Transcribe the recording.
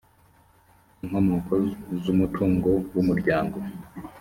inkomoko z umutungo w umuryango